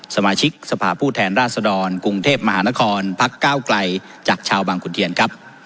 สมาชิกสภาพผู้แทนราชดรกรุงเทพมหานครพักก้าวไกลจากชาวบางขุนเทียนครับ